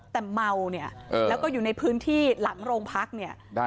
แต่เมาเนี่ยแล้วก็อยู่ในพื้นที่หลังโรงพักเนี่ย